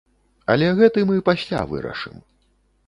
Але гэты мы пасля вырашым.